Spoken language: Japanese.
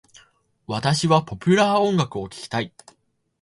私はポピュラー音楽を聞きたい。